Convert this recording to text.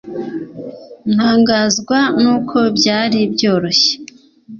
ntangazwa nuko byari byoroshye